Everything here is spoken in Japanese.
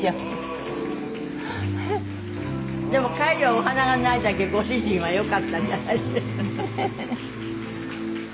でも帰りはお花がないだけご主人はよかったんじゃない？